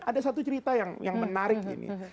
ada satu cerita yang menarik ini